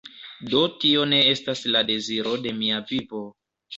Do tio ne estas la deziro de mia vivo